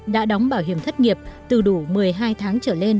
đã đóng bảo hiểm thất nghiệp từ đủ một mươi hai tháng trở lên